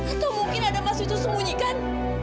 atau mungkin ada mas vito sembunyikan